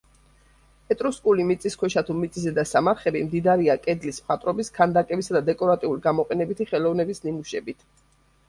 ეტრუსკული მიწისქვეშა თუ მიწის ზედა სამარხები მდიდარია კედლის მხატვრობის, ქანდაკებისა და დეკორატიულ-გამოყენებითი ხელოვნების ნიმუშებით.